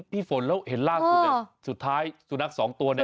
พี่ฝนแล้วเห็นล่าสุดสุดท้ายสุนัขสองตัวเนี่ย